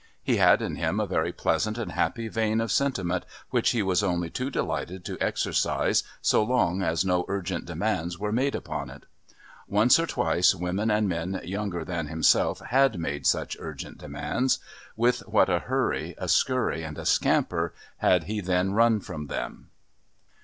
He had in him a very pleasant and happy vein of sentiment which he was only too delighted to exercise so long as no urgent demands were made upon it. Once or twice women and men younger than himself had made such urgent demands; with what a hurry, a scurry and a scamper had he then run from them!